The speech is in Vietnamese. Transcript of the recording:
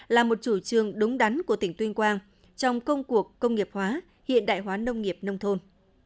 là một chủ trương đúng đắn của tỉnh tuyên quang trong công cuộc công nghiệp hóa hiện đại hóa nông nghiệp nông thôn